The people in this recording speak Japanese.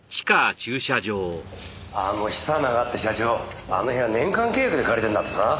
あの久永って社長あの部屋年間契約で借りてるんだってさ。